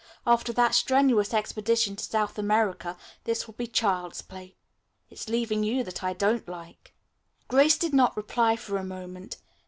After that strenuous expedition to South America, this will be child's play. It's leaving you that I don't like." Grace did not reply for a moment.